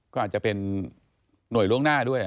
ก็อาจจะเป็นหน่วยล่วงหน้าด้วย